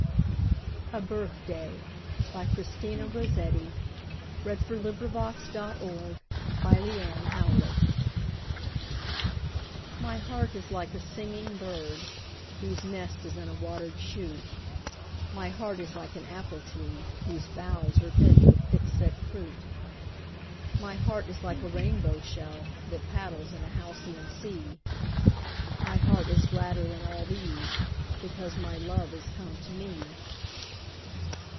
forget this flooded spring And scarce saved lambs of Westmoreland. A BIRTHDAY. My heart is like a singing bird Whose nest is in a watered shoot; My heart is like an apple tree Whose boughs are bent with thick set fruit; My heart is like a rainbow shell That paddles in a halcyon sea; My heart is gladder than all these Because my love is come to me.